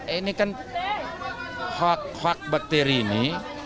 ini kan hak hak bakteri ini